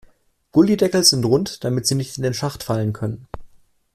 Gullydeckel sind rund, damit sie nicht in den Schacht fallen können.